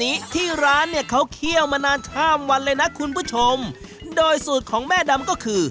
นี้ที่ร้านเนี่ยเขาเคี่ยวมานานข้ามวันเลยนะคุณผู้ชมโดยสูตรของแม่ดำก็คือ